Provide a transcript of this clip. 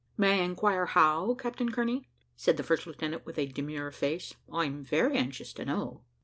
"May I inquire how, Captain Kearney;" said the first lieutenant, with a demure face; "I'm very anxious to know."